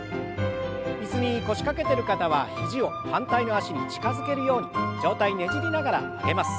椅子に腰掛けてる方は肘を反対の脚に近づけるように上体ねじりながら曲げます。